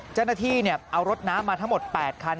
เจ้าหน้าที่เอารถน้ำมาทั้งหมด๘คัน